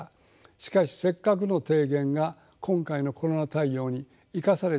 しかしせっかくの提言が今回のコロナ対応に生かされてきませんでした。